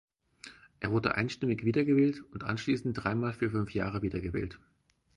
Er wurde einstimmig wiedergewählt und anschließend dreimal für fünf Jahre wiedergewählt.